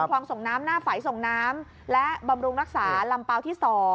คลองส่งน้ำหน้าไฝส่งน้ำและบำรุงรักษาลำเปล่าที่๒